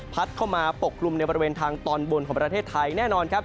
เข้ามาปกกลุ่มในบริเวณทางตอนบนของประเทศไทยแน่นอนครับ